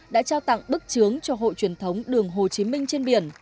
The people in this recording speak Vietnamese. đã trao tặng bức chướng cho hội truyền thống đường hồ chí minh trên biển